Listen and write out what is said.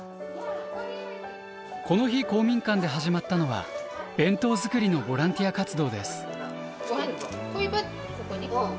この日公民館で始まったのは弁当作りのボランティア活動です。